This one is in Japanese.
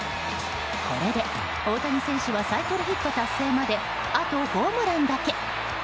これで大谷選手はサイクルヒット達成まであとホームランだけ。